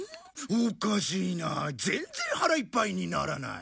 おかしいな全然腹いっぱいにならない。